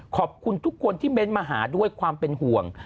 ขอบคุณทุกคนที่เม้นต์มาหาด้วยความเป็นห่วง